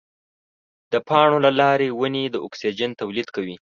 د پاڼو له لارې ونې د اکسیجن تولید کوي.